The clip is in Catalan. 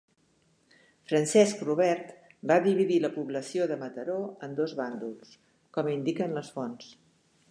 Francesc Robert va dividir la població de Mataró en dos bàndols, com indiquen les fonts.